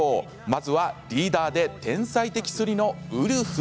まずはリーダーで天才的スリのウルフ。